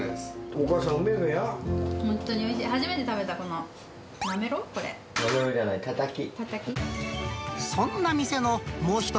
お母さん、本当においしい、初めて食べなめろうじゃない、たたき。